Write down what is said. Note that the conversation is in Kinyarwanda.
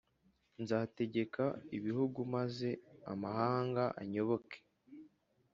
Nzategeka ibihugu maze amahanga anyoboke,